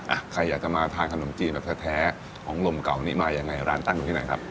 อ่ะใครอยากจะมาทานขนมจีนแบบแท้ของลมเก่านี้มายังไงร้านตั้งอยู่ที่ไหนครับ